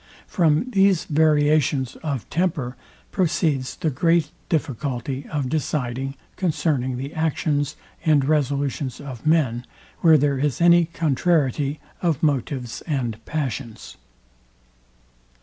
From these variations of temper proceeds the great difficulty of deciding concerning the actions and resolutions of men, where there is any contrariety of motives and passions.